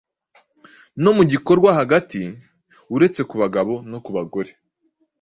no mu gikorwa hagati. Uretse ku bagabo no ku bagore